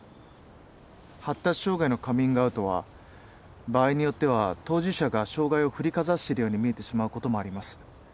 発達障害のカミングアウトは場合によっては当事者が障害を振りかざしてるように見えてしまう事もあります。